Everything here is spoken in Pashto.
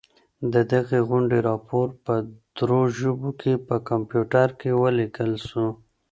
د دغي غونډې راپور په درو ژبو کي په کمپیوټر کي ولیکل سو.